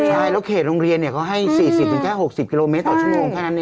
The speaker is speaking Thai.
ใช่แล้วเขตโรงเรียนเขาให้๔๐แค่๖๐กิโลเมตรต่อชั่วโมงแค่นั้นเอง